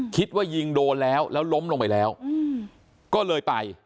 คิดว่ายิงโดนแล้วแล้วล้มลงไปแล้วก็เลยไป